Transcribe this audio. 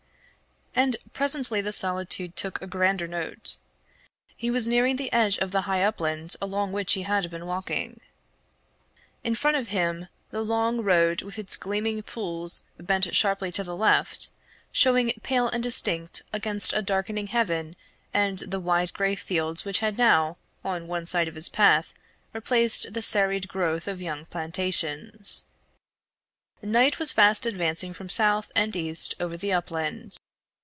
And presently the solitude took a grander note. He was nearing the edge of the high upland along which he had been walking. In front of him the long road with its gleaming pools bent sharply to the left, showing pale and distinct against a darkening heaven and the wide grey fields which had now, on one side of his path, replaced the serried growth of young plantations. Night was fast advancing from south and east over the upland.